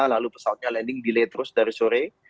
lalu pesawatnya landing delay terus dari sore